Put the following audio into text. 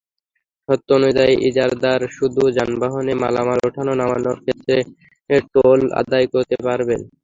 শর্ত অনুযায়ী, ইজারাদার শুধু যানবাহনে মালামাল ওঠানো-নামানোর ক্ষেত্রে টোল আদায় করতে পারবেন।